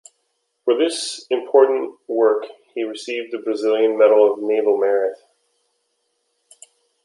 For this important work he received the Brazilian Medal of Naval Merit.